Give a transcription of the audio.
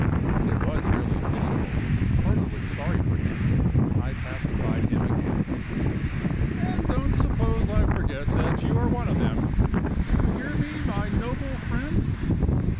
It was really pitiable. Heartily sorry for him, I pacified him again. "And don't suppose I forget that you are one of them. Do you hear me, my noble friend?"